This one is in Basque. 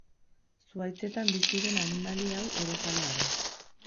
Zuhaitzetan bizi den animali hau orojalea da.